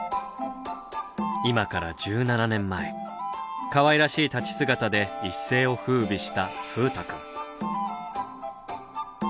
今から１７年前かわいらしい立ち姿で一世をふうびした風太くん。